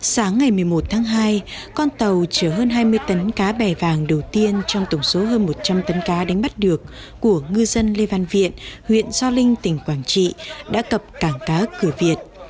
sáng ngày một mươi một tháng hai con tàu chở hơn hai mươi tấn cá bè vàng đầu tiên trong tổng số hơn một trăm linh tấn cá đánh bắt được của ngư dân lê văn viện huyện gio linh tỉnh quảng trị đã cập cảng cá cửa việt